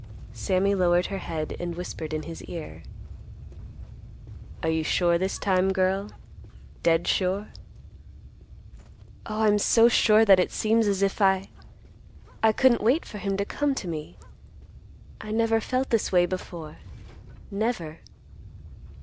Sammy lowered her head and whispered in his ear. "Are you sure this time, girl, dead sure?" "Oh, I'm so sure that it seems as if I—I couldn't wait for him to come to me. I never felt this way before, never."